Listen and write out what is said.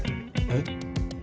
えっ？